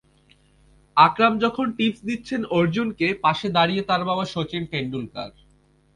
আকরাম যখন টিপস দিচ্ছেন অর্জুনকে, পাশে দাঁড়িয়ে তার বাবা শচীন টেন্ডুলকার।